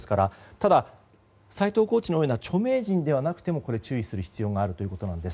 ただ、斎藤コーチのような著名人ではなくても注意する必要があるということです。